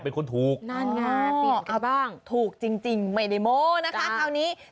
เป็นคนถูกโอ้ถูกจริงไม่ได้โม้นะคะคราวนี้